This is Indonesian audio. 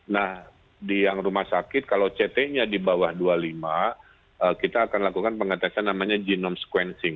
nah di yang rumah sakit kalau ct nya di bawah dua puluh lima kita akan lakukan pengetesan namanya genome sequencing